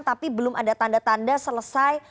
tapi belum ada tanda tanda selesai